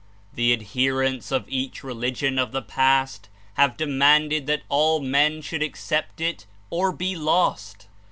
The ad herents of each religion of the past have demanded that all men should accept It or be lost.